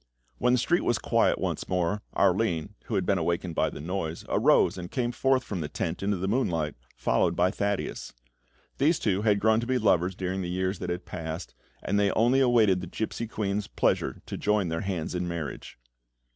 When the street was quiet once more, Arline, who had been awakened by the noise, arose and came forth from the tent into the moonlight, followed by Thaddeus. These two had grown to be lovers during the years that had passed, and they only awaited the gipsy queen's pleasure to join their hands in marriage.